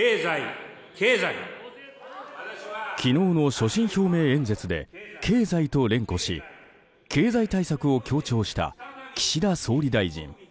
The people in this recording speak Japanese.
昨日の所信表明演説で経済と連呼し経済対策を強調した岸田総理大臣。